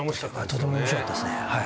とても面白かったですね。